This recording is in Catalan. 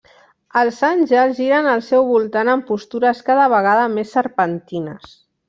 Els àngels giren al seu voltant en postures cada vegada més serpentines.